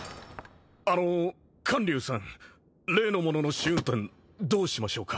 ・あのう観柳さん例のものの試運転どうしましょうか？